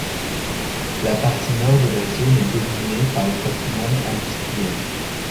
La partie nord de la zone est dominée par le patrimoine industriel.